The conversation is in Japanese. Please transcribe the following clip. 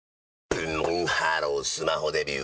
ブンブンハロースマホデビュー！